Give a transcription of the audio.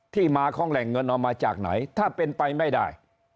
ที่มาของแหล่งเงินเอามาจากไหนถ้าเป็นไปไม่ได้